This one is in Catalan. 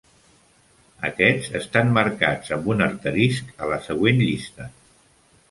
Aquests estan marcats amb un asterisc a la següent llista: